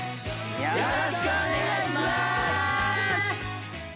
よろしくお願いします！